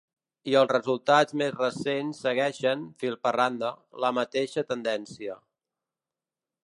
I els resultats més recents segueixen, fil per randa, la mateixa tendència.